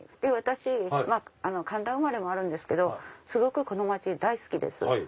私神田生まれもあるんですけどすごくこの町大好きです。